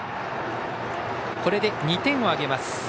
これで２点を挙げます。